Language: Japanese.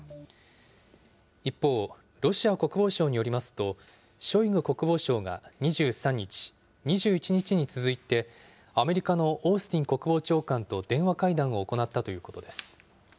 一方、ロシア国防省によりますと、ショイグ国防相が２３日、２１日に続いて、アメリカのオースティン国防長官と電話会談を行ったということです。